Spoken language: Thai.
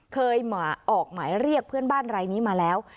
เคยออกหมายเรียกเพื่อนบ้านรายนี้มาแล้ว